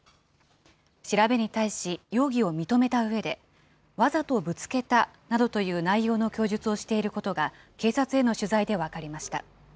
調べに対し、容疑を認めたうえで、わざとぶつけたなどという内容の供述をしていることが、警察への取材で分かりました。